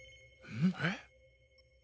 えっ。